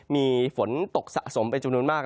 มีฝนตกสะสมไปจบนู้นมาก